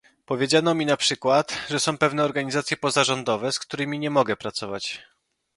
Powiedziano mi na przykład, że są pewne organizacje pozarządowe, z którymi nie mogę pracować